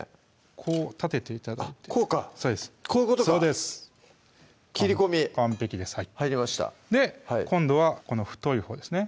こう立てて頂いてあっこうかこういうことかそうです切り込み完璧です入りました今度はこの太いほうですね